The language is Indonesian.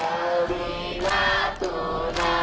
aku pindah di natuna